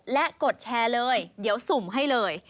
และกดแชร์เลยเดี๋ยวสุ่มให้เลย